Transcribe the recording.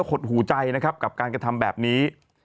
หดหูใจนะครับกับการกระทำแบบนี้